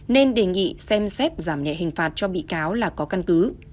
nên đề nghị xem xét giảm nhẹ hình phạt cho bị cáo là có căn cứ